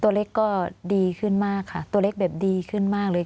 ตัวเล็กก็ดีขึ้นมากค่ะตัวเล็กแบบดีขึ้นมากเลย